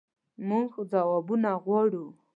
مونږ ځوابونه غواړو